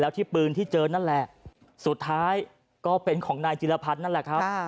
ที่ปืนที่เจอนั่นแหละสุดท้ายก็เป็นของนายจิลพัฒน์นั่นแหละครับ